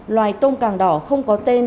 loài tôm càng đỏ không có tên